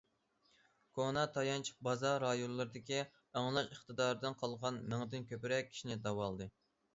كونا تايانچ بازا رايونلىرىدىكى ئاڭلاش ئىقتىدارىدىن قالغان مىڭدىن كۆپرەك كىشىنى داۋالىدى.